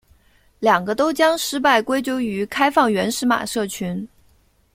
两个都将失败归咎于开放原始码社群。